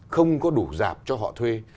không có đủ dạp cho họ thuê